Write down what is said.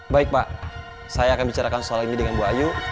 baik pak saya akan bicarakan soal ini dengan bu ayu